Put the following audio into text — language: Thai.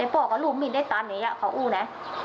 พ่อก็ลุมอีกได้ตอนนี้เขาอู้นะ